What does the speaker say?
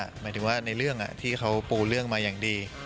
หมายถึงว่าในเรื่องที่เขาปูเรื่องมาอย่างดี